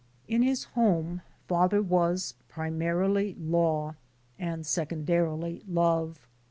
In his home father was primarily law and sec ondarily love.